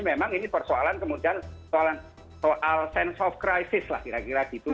memang ini persoalan kemudian soal sense of crisis lah kira kira gitu